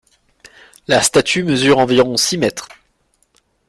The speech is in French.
La statue mesure environ six mètres.